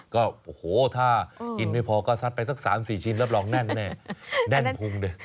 ก็โอ้โหถ้ากินไม่พอก็ซัดไปสัก๓๔ชิ้นรับรองแน่นแน่แน่นพุงเลย